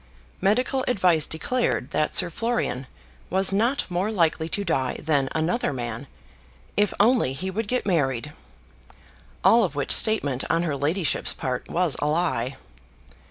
Medical advice declared that Sir Florian was not more likely to die than another man, if only he would get married; all of which statement on her ladyship's part was a lie.